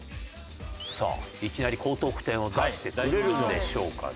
さあいきなり高得点を出してくれるんでしょうかね？